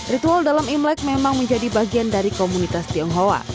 ritual dalam imlek memang menjadi bagian dari komunitas tionghoa